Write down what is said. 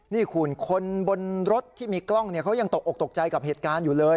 นี่คุณคนบนรถที่มีกล้องเขายังตกออกตกใจกับเหตุการณ์อยู่เลย